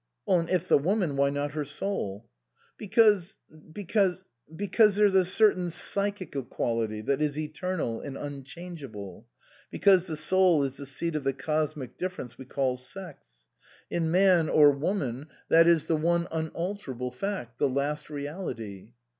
" And if the woman, why not her soul ?"" Because because because there is a cer tain psychical quality that is eternal and un changeable ; because the soul is the seat of the cosmic difference we call sex. In man or 55 THE COSMOPOLITAN woman that is the one unalterable fact the last reality."